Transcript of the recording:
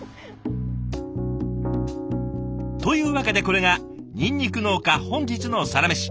というわけでこれがニンニク農家本日のサラメシ。